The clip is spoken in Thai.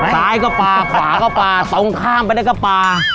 ซ้ายก็ปลาขวาก็ปลาตรงข้ามไปได้ก็ปลา